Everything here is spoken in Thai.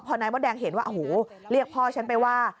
นายมดแดงเห็นว่าโอ้โหเรียกพ่อฉันไปว่า